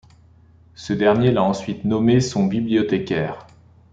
Ce dernier l'a ensuite nommé son bibliothécaire.